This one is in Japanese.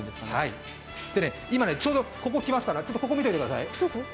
今、ちょうどここに来ますから見ておいてください。